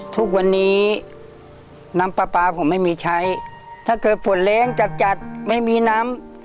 ทุกวันนี้น้ำปลาปลาผมไม่มีใช้ถ้าเกิดฝนแรงจัดจัดไม่มีน้ำ